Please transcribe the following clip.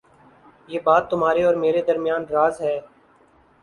یہ بات تمہارے اور میرے درمیان راز ہے